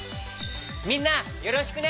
みんなよろしくね！